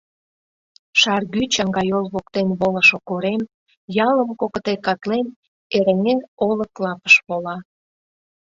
Шаргӱ чаҥгайол воктен волышо корем, ялым кокыте катлен, Эреҥер олык лапыш вола.